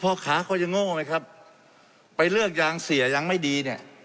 พ่อค้าเขาจะโง่ไหมครับไปเลิกยางเสียยังไม่ดีเนี่ย